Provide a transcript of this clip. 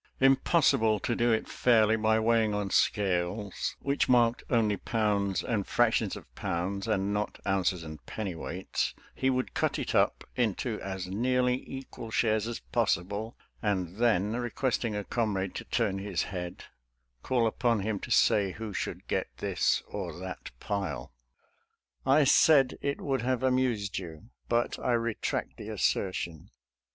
Impossible to do it fairly by weighing on scales — which marked only pounds and fractions of pounds, and not ounces and pennyweights — ^he would cut it up into as nearly equal shares as possible, and then, requesting a comrade to turn his head, call upon him to say who should get this or that pile. I said it would have amused you, but I retract the assertion.